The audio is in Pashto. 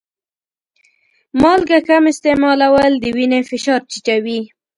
مالګه کم استعمالول د وینې فشار ټیټوي.